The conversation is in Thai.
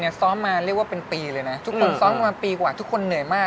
ซ้อมมาเรียกว่าเป็นปีเลยนะทุกคนซ้อมมาปีกว่าทุกคนเหนื่อยมาก